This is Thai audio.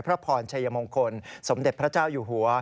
พระพรชัยมงคลสมเด็จพระเจ้าอยู่หัว